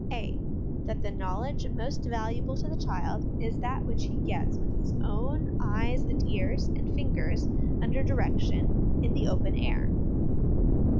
(a) That the knowledge most valuable to the child is that which he gets with his own eyes and ears and fingers (under direction) in the open air.